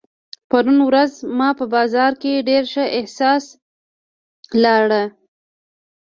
پرون ورځ ما په بازار کې ډېر ښه احساس لارۀ.